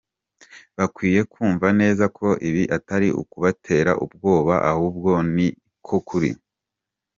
Bakwiye kumva neza ko ibi atari ukubatera ubwoba ahubwo ni ko kuri.